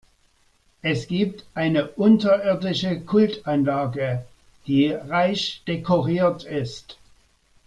Es gibt eine unterirdische Kultanlage, die reich dekoriert ist.